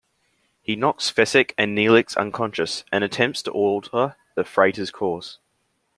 He knocks Fesek and Neelix unconscious and attempts to alter the freighter's course.